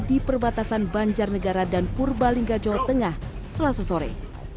di perbatasan banjarnegara dan purbalingga jawa tengah selasa sore